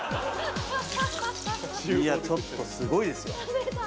ちょっと、すごいですよ。